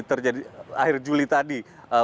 terjadi akhir juli tadi